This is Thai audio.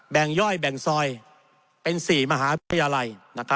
ย่อยแบ่งซอยเป็น๔มหาวิทยาลัย